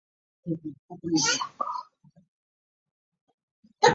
他通过与欧洲大国签署贸易协定巩固了自己的权力。